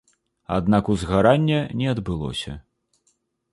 Аднак узгарання не адбылося.